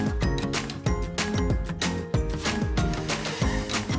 mereka juga mendapatkan sumber daya dari pemerintah desa